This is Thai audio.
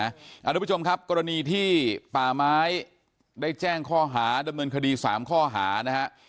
คุณผู้ชมครับกรณีที่ป่าไม้ได้แจ้งข้อหาดำเนินคดี๓ข้อหานะฮะ